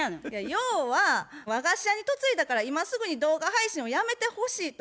要は和菓子屋に嫁いだから今すぐに動画配信をやめてほしいと。